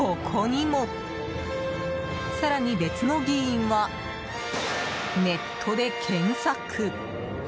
更に、別の議員はネットで検索。